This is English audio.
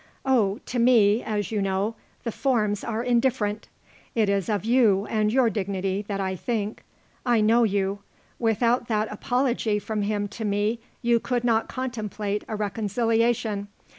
Oh, to me, as you know, the forms are indifferent; it is of you and your dignity that I think. I know you; without that apology from him to me you could not contemplate a reconciliation.